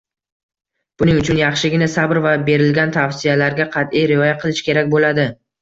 Buning uchun yaxshigina sabr va berilgan tavsiyalarga qatʼiy rioya qilish kerak bo‘ladi.